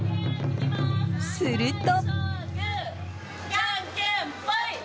すると。